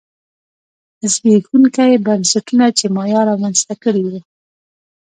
زبېښونکي بنسټونه چې مایا رامنځته کړي وو